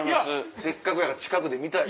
せっかくやから近くで見たい。